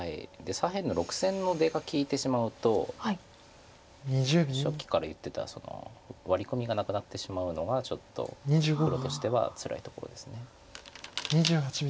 左辺の６線の出が利いてしまうと初期から言ってたワリコミがなくなってしまうのがちょっと黒としてはつらいところです。